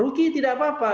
rugi tidak apa apa